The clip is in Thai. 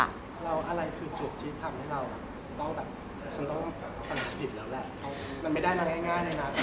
อะไรคือจุดที่ทำให้เราต้องสนับสิทธิ์แล้วแหละ